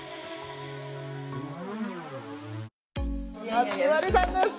夏木マリさんです！